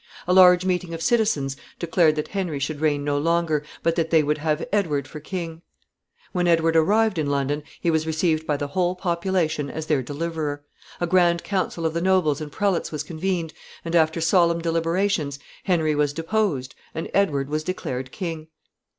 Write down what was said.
A large meeting of citizens declared that Henry should reign no longer, but that they would have Edward for king. [Sidenote: London.] When Edward arrived in London he was received by the whole population as their deliverer. A grand council of the nobles and prelates was convened, and, after solemn deliberations, Henry was deposed and Edward was declared king.